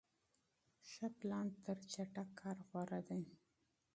ښه پلان تر چټک کار غوره دی.